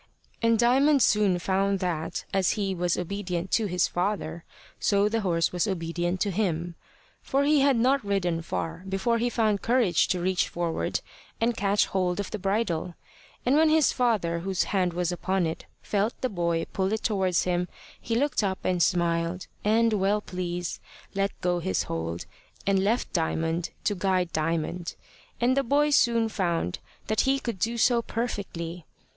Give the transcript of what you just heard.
And Diamond soon found that, as he was obedient to his father, so the horse was obedient to him. For he had not ridden far before he found courage to reach forward and catch hold of the bridle, and when his father, whose hand was upon it, felt the boy pull it towards him, he looked up and smiled, and, well pleased, let go his hold, and left Diamond to guide Diamond; and the boy soon found that he could do so perfectly.